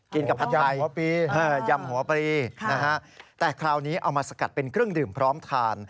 กินกับผัดใหญ่ยำหัวปรีนะฮะแต่คราวนี้เอามาสกัดเป็นเครื่องดื่มพร้อมทาน